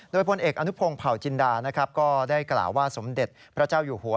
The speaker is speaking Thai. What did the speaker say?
โดยพลเอกอนุพงศ์เผาจินดานะครับก็ได้กล่าวว่าสมเด็จพระเจ้าอยู่หัว